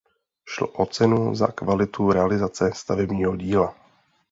Šlo o cenu za "Kvalitu realizace stavebního díla".